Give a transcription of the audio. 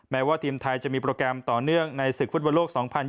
แม้ว่าทีมไทยจะมีโปรแกรมต่อเนื่องในศึกฟุตบอลโลก๒๐๒๐